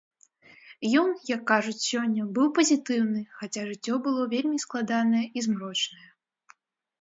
Ён, як кажуць сёння, быў пазітыўны, хаця жыццё было вельмі складанае і змрочнае.